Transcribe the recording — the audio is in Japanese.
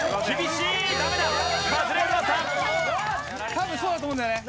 多分そうだと思うんだよね。